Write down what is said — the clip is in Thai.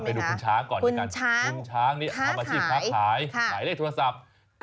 ไปดูคุณช้างก่อนทีกันคุณช้างค้าขายค่ะใช้เลขโทรศัพท์